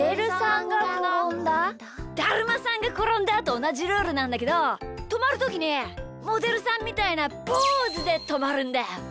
「だるまさんがころんだ」とおなじルールなんだけどとまるときにモデルさんみたいなポーズでとまるんだよ。